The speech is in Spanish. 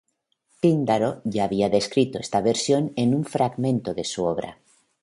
Píndaro ya había descrito esta versión en un fragmento de su obra.